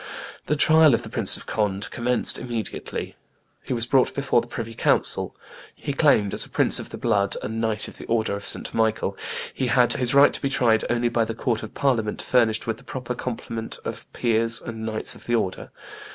The trial of the Prince of Conde commenced immediately. He was brought before the privy council. He claimed, as a prince of the blood and knight of the order of St. Michael, his right to be tried only by the court of Parliament furnished with the proper complement of peers and knights of the order.